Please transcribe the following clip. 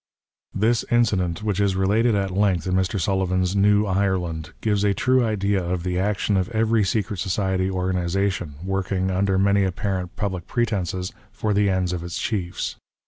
This incident, which is related at length in Mr. Sullivan's " New Ireland," gives a true idea of the action of every secret society organization, working, under many apparent public pretences, for the ends of its chiefs.